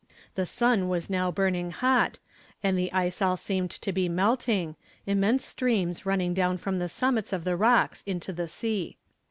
The sun was now burning hot, and the ice all seemed to be melting, immense streams running down from the summits of the rocks into the sea.